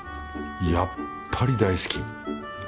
やっぱり大好き！